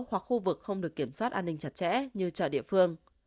hoặc khu vực không được kiểm soát an ninh chặt chẽ như chợ địa phương